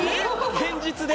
現実で！？